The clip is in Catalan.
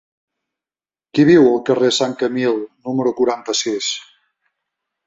Qui viu al carrer de Sant Camil número quaranta-sis?